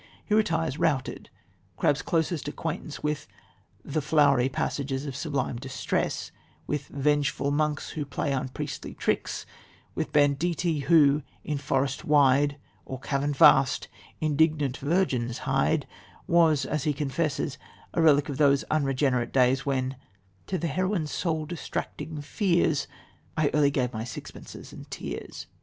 He retires routed. Crabbe's close acquaintance with "the flowery pages of sublime distress," with "vengeful monks who play unpriestly tricks," with banditti "who, in forest wide Or cavern vast, indignant virgins hide," was, as he confesses, a relic of those unregenerate days, when "To the heroine's soul distracting fears I early gave my sixpences and tears."